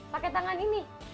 pakai tangan ini